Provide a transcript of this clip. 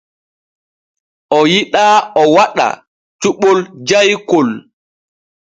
O yiɗaa o waɗa cuɓol jaykol.